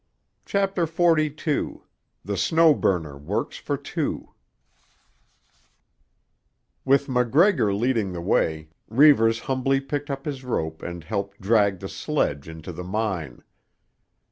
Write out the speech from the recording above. CHAPTER XLII—THE SNOW BURNER WORKS FOR TWO With MacGregor leading the way, Reivers humbly picked up his rope and helped drag the sledge into the mine.